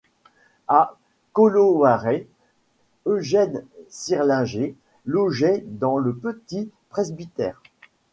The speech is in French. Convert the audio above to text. À Kolowaré, Eugène Sirlinger logeait dans le petit presbytère.